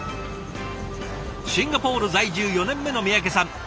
シンガポール在住４年目の三宅さん。